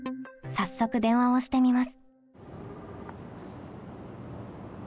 早速電話をしてみます。